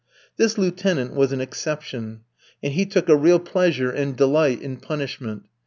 This lieutenant was an exception, and he took a real pleasure and delight in punishment.